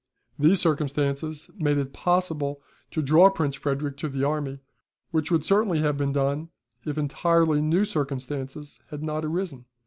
These circumstances made it possible to draw Prince Frederick to the army, which would certainly have been done if entirely new circumstances had not arisen.